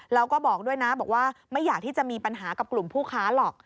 แล้วก็บอกด้วยนะบอกว่าไม่อยากที่จะมีปัญหากับกลุ่มผู้ค้าหรอก